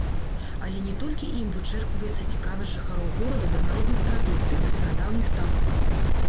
Але не толькі ім вычэрпваецца цікавасць жыхароў горада да народных традыцый, да старадаўніх танцаў.